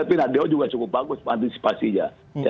tapi radio juga cukup bagus antisipasinya